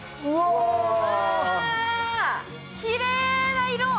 きれいな色。